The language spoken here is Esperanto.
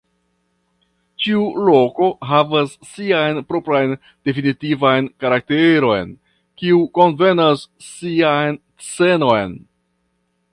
Ĉiu loko havas sian propran definitivan karakteron kiu konvenas sian celon.